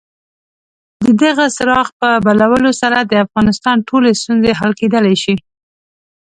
د دغه څراغ په بلولو سره د افغانستان ټولې ستونزې حل کېدلای شي.